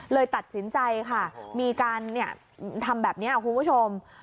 ตัดสินใจค่ะมีการทำแบบนี้คุณผู้ชม